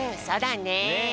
そうだね。